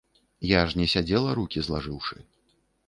Я ж не сядзела рукі злажыўшы.